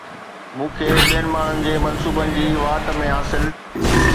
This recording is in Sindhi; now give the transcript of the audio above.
مون کي ٻين ماڻهن جي منصوبن جي واٽ ۾ حاصل